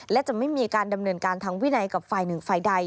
และจะไม่มีการดำเนินการทางวินัยกับฝ่ายหนึ่งฝ่ายใด